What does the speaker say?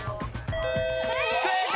正解！